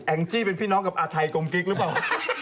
งจี้เป็นพี่น้องกับอาทัยกลมกิ๊กหรือเปล่า